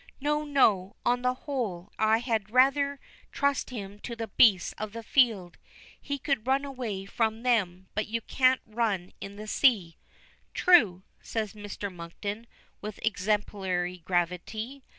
"No, no, on the whole I had rather trust him to the beasts of the field. He could run away from them, but you can't run in the sea." "True," says Mr. Monkton, with exemplary gravity.